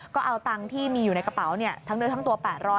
ก็เอาตังค์ที่มีอยู่ในกระเป๋าทั้งเนื้อทั้งตัว๘๐๐